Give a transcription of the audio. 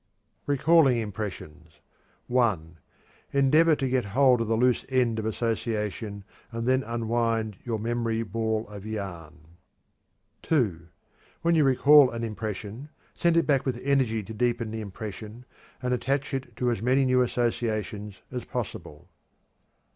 Recalling Impressions. (1) Endeavor to get hold of the loose end of association, and then unwind your memory ball of yarn. (2) When you recall an impression, send it back with energy to deepen the impression, and attach it to as many new associations as possible.